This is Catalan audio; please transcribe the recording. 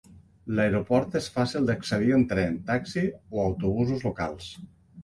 L'aeroport és fàcil d'accedir en tren, taxi o autobusos locals.